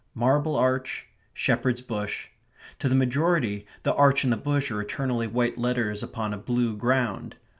"Marble Arch Shepherd's Bush" to the majority the Arch and the Bush are eternally white letters upon a blue ground.